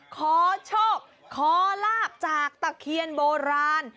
ขอโชคขอลาบจากตะเคียนโบราณ